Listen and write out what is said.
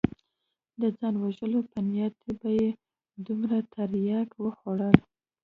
د ځان وژلو په نيت به يې دومره ترياک وخوړل.